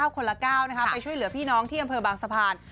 คนละ๙ไปช่วยเหลือพี่น้องที่อำเภอบางสะพาน